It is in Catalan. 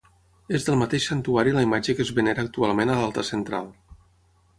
És del mateix santuari la imatge que es venera actualment a l'altar central.